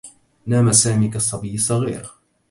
نام سامي كالصّبيّ الصّغير.